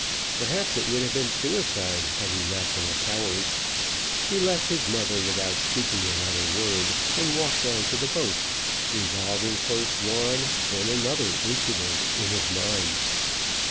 Perhaps it would have been suicide had he not been a coward. He left his mother without speaking another word, and walked down to the boat, revolving first one and then another incident in his mind.